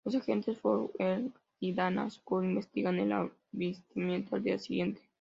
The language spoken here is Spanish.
Los agentes Fox Mulder y Dana Scully investigan el avistamiento al día siguiente.